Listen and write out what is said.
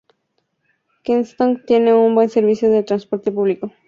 Kensington tiene un buen servicio de transporte público.